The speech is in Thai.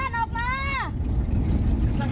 นาจรรย์ออกมา